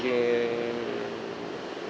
không có gì